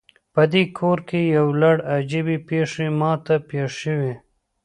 پدې کور کې یو لړ عجیبې پیښې ما ته پیښ شوي